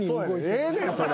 ええねんそれ。